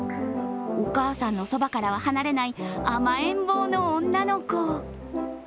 お母さんのそばからは離れない甘えん坊の女の子。